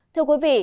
thưa quý vị